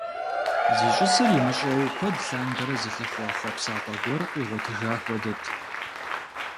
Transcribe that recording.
Зищӏысыр имыщӏэу куэд лъандэрэ зылъыхъуэ хъуэпсапӏэ гуэр къигъуэтыжа хуэдэт.